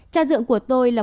cha dưỡng của tôi là